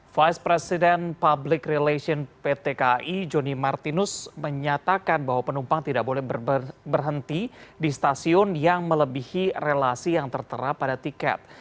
vice president public relation pt kai joni martinus menyatakan bahwa penumpang tidak boleh berhenti di stasiun yang melebihi relasi yang tertera pada tiket